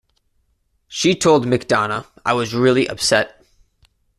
She told McDonough, I was really upset.